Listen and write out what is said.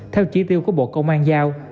theo chỉ tiêu của bộ công an giao